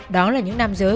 đó là những nam giới